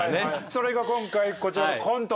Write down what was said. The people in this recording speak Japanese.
それが今回こちらのコントで。